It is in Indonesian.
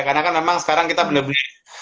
karena kan memang sekarang kita benar benar